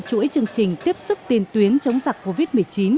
chủ yếu chương trình tiếp sức tiền tuyến chống dịch covid một mươi chín